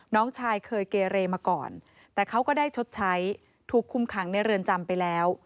น้องชายเคยเกเรมาก่อนแต่เขาก็ได้ชดใช้ถูกคุมขังในเรือนจำไปแล้ว